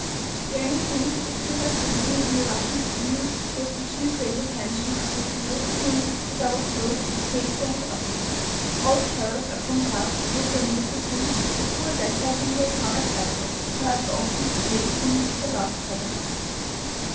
The only thing which did not please me in the Russian steamer, was the too great attention of the steward who, as I was told, pays for his office. All the travellers are compelled to take their meals with him, the poor deck passengers not excepted, who have often to pay him their last kopecs.